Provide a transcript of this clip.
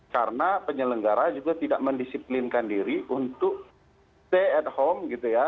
karena penyelenggara juga tidak mendisiplinkan diri untuk stay at home gitu ya